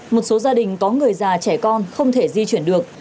một số gia đình có người già trẻ con không thể di chuyển được